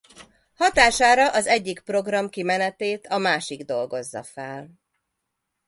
Hatására az egyik program kimenetét a másik dolgozza fel.